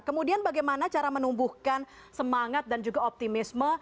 kemudian bagaimana cara menumbuhkan semangat dan juga optimisme